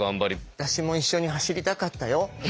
私も一緒に走りたかったよ。